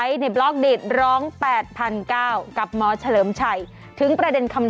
สวัสดีคุณชิสานะฮะสวัสดีคุณชิสานะฮะ